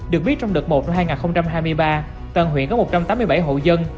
được biết trong đợt một năm hai nghìn hai mươi ba toàn huyện có một trăm tám mươi bảy hộ dân